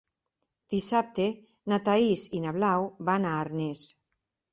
Dissabte na Thaís i na Blau van a Arnes.